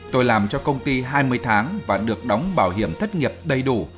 tôi làm cho công ty hai mươi tháng và được đóng bảo hiểm thất nghiệp đầy đủ